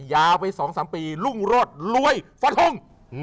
ยาวไป๒๓ปีรุ่งโรศรวยฟันทง